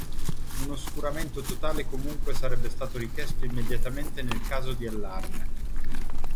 Un oscuramento totale comunque sarebbe stato richiesto immediatamente nel caso di allarme.